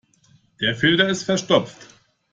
Der Filter ist verstopft.